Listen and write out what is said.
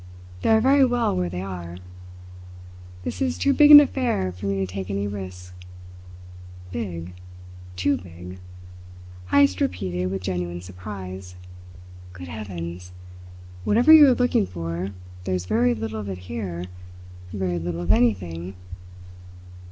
They are very well where they are. This is too big an affair for me to take any risks." "Big? Too big?" Heyst repeated with genuine surprise. "Good Heavens! Whatever you are looking for, there's very little of it here very little of anything."